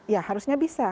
ya harusnya bisa